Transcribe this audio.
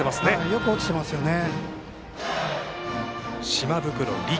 よく落ちてますよね。